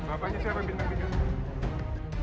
apa aja siapa bintang tiga